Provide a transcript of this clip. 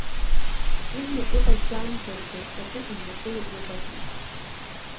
Ижәны иҟаӡамзаргьы, акы иннакыло иҟазма!